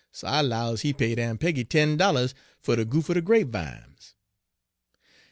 So I 'low ez he paid Aun' Peggy ten dollars fer to goopher de grapevimes.